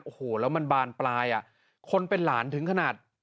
โอ้โหแล้วมันบานปลายอ่ะคนเป็นหลานถึงขนาด